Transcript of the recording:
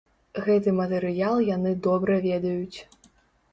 Гэты матэрыял яны добра ведаюць.